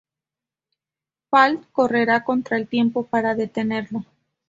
Falk correrá contra el tiempo para detenerlo.